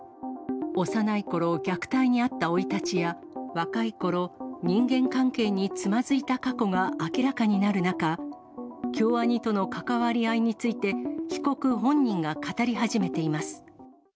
幼いころ、虐待に遭った生い立ちや、若いころ、人間関係につまずいた過去が明らかになる中、京アニとの関わり合いについて、被告本人が語り始めています。